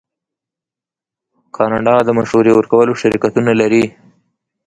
کاناډا د مشورې ورکولو شرکتونه لري.